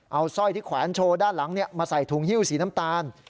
เอาสร้อยที่แขวนโชว์ด้านหลังมาใส่ถุงฮิ้วสีน้ำตาล